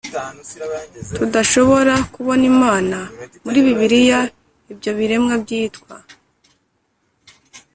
tudashobora kubona imana. muri bibiliya, ibyo biremwa byitwa